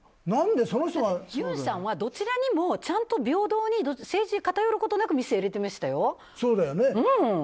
ユンさんは、どちらにもちゃんと平等に政治に偏ることなくメスを入れてましたよ。